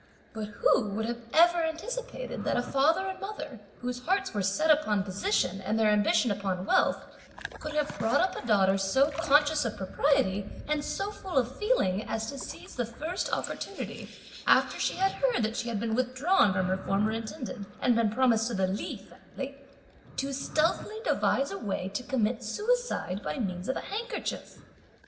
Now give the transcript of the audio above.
But who would have ever anticipated that a father and mother, whose hearts were set upon position and their ambition upon wealth, could have brought up a daughter so conscious of propriety and so full of feeling as to seize the first opportunity, after she had heard that she had been withdrawn from her former intended, and been promised to the Li family, to stealthily devise a way to commit suicide, by means of a handkerchief.